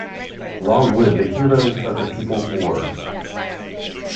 Long live the heroes of the people's war!